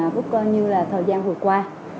cũng coi như là thời gian vừa qua